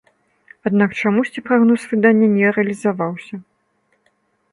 Аднак чамусьці прагноз выдання не рэалізаваўся.